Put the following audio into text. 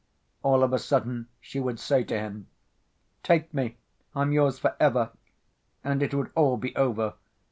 All of a sudden she would say to him: "Take me, I'm yours for ever," and it would all be over.